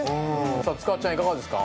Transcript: さあ塚っちゃんいかがですか？